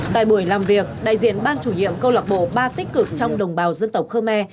tại buổi làm việc đại diện ban chủ nhiệm câu lạc bộ ba tích cực trong đồng bào dân tộc khơ me